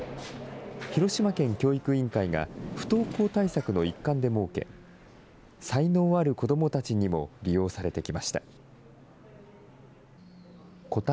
広島県教育委員会が不登校対策の一環で設け、才能ある子どもたちにも利用されてきました。